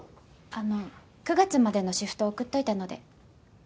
あの９月までのシフト送っておいたので。